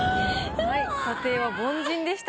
はい査定は凡人でした。